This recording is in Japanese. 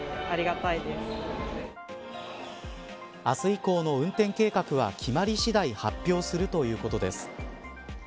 明日以降の運転計画は決まり次第発表するということです。